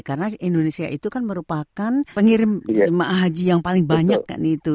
karena indonesia itu kan merupakan pengirim jemaah haji yang paling banyak kan itu